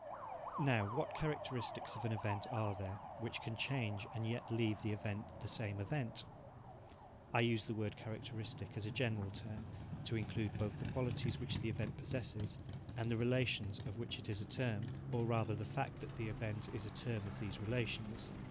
Now what characteristics of an event are there which can change and yet leave the event the same event? (I use the word characteristic as a general term to include both the qualities which the event possesses, and the relations of which it is a term or rather the fact that the event is a term of these relations.)